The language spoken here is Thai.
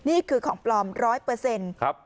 นี่คือของปลอม๑๐๐ครับ